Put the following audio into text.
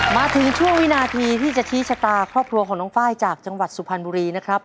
มาถึงช่วงวินาทีที่จะชี้ชะตาครอบครัวของน้องไฟล์จากจังหวัดสุพรรณบุรีนะครับ